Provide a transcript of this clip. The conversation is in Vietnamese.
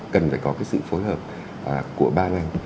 cần phải có cái sự phối hợp của ba ngành